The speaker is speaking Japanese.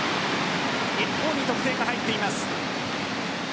日本に得点が入っています。